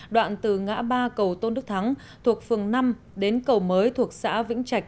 đoạn từ ngã ba cầu tôn đức thắng thuộc phường năm đến cầu mới thuộc xã vĩnh trạch